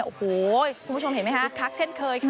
โอ้โหคุณผู้ชมเห็นไหมคะคักเช่นเคยค่ะ